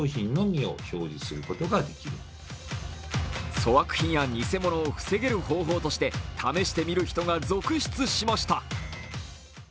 粗悪品や偽物を防げる方法として試してみる人が続出しました。